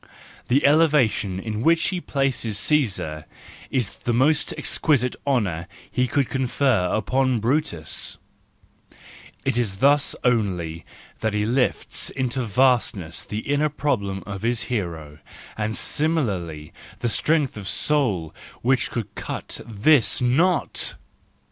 The elevation in which he places Caesar is the most exquisite honour he could confer upon Brutus; it is thus only that he lifts into vastness the inner problem of his hero, and similarly the strength of soul which could cut this knot